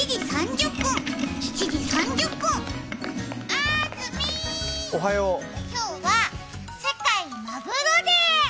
あーずみー、今日は世界まぐろデー。